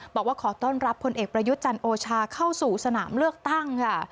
บอกว่าขอต้อนรับพลเอกประยุทธ์จันทร์โอชาเข้าสู่สนามเลือกตั้งค่ะ